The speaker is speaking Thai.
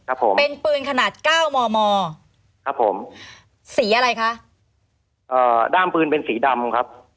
ครับผมเป็นปืนขนาดเก้ามอมอครับผมสีอะไรคะเอ่อด้ามปืนเป็นสีดำครับ